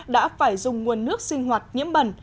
đã phải dùng nguồn nước sinh hoạt nhiễm bẩn